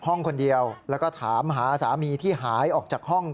ห้องคนเดียวแล้วก็ถามหาสามีที่หายออกจากห้อง